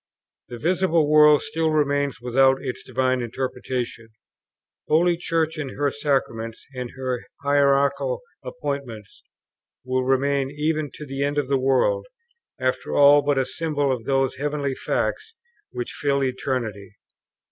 The visible world still remains without its divine interpretation; Holy Church in her sacraments and her hierarchical appointments, will remain, even to the end of the world, after all but a symbol of those heavenly facts which fill eternity.